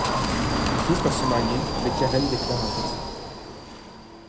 Ils finissent par se marier mais Karen déclare un cancer.